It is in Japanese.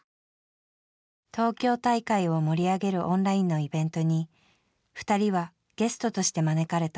東京大会を盛り上げるオンラインのイベントに２人はゲストとして招かれた。